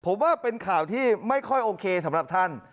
ผมว่าเป็นข่าวที่ไม่ค่อยโอเคสำหรับท่าน